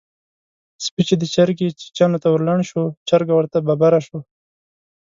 سپی چې د چرګې چیچيانو ته ورلنډ شو؛ چرګه ورته ببره شوه.